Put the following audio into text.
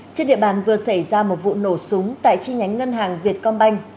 trên địa bàn vừa xảy ra một vụ nổ súng tại chi nhánh ngân hàng việt công banh